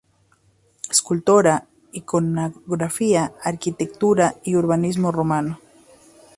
Escultura, Iconografía, Arquitectura y Urbanismo Romanos.